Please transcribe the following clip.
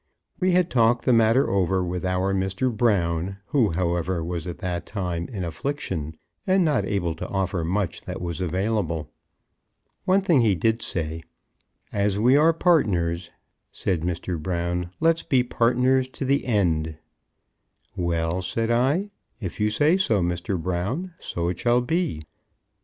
We had talked the matter over with our Mr. Brown, who, however, was at that time in affliction, and not able to offer much that was available. One thing he did say; "As we are partners," said Mr. Brown, "let's be partners to the end." "Well," said I, "if you say so, Mr. Brown, so it shall be."